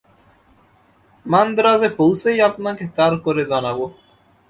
মান্দ্রাজে পৌঁছেই আপনাকে তার করে জানাব।